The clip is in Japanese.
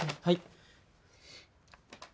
はい。